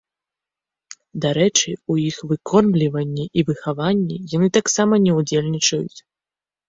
Дарэчы, у іх выкормліванні і выхаванні яны таксама не ўдзельнічаюць.